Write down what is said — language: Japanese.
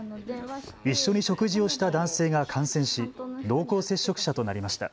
一緒に食事をした男性が感染し濃厚接触者となりました。